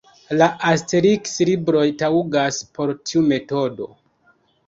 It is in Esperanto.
La Asteriks-libroj taŭgas por tiu metodo.